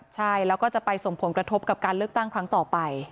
ใช่แล้วก็จะไปส่งผลกระทบกับการเลือกตั้งครั้งต่อไป